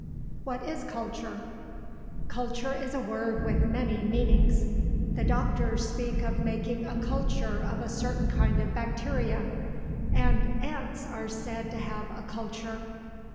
WHAT IS CULTURE? "Culture" is a word with many meanings. The doctors speak of making a "culture" of a certain kind of bacteria, and ants are said to have a "culture."